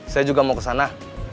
saya juga mau kesana